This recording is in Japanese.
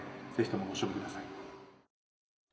ぜひともご賞味ください）